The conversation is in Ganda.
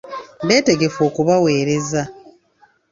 Beetegefu okubaweereza.